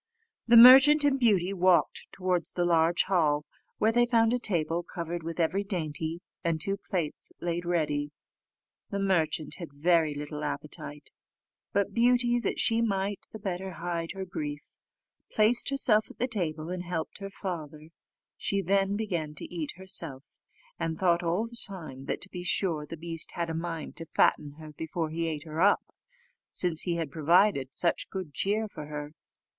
The merchant and Beauty walked towards the large hall, where they found a table covered with every dainty, and two plates laid ready. The merchant had very little appetite; but Beauty, that she might the better hide her grief, placed herself at the table, and helped her father; she then began to eat herself, and thought all the time that, to be sure, the beast had a mind to fatten her before he ate her up, since he had provided such good cheer for her.